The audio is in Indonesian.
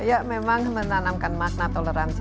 ya memang menanamkan makna toleransi